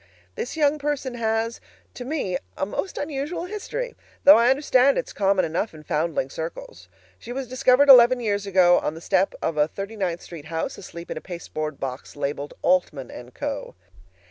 This young person has, to me, a most unusual history, though I understand it's common enough in foundling circles. She was discovered eleven years ago on the bottom step of a Thirty ninth Street house, asleep in a pasteboard box labeled, "Altman & Co."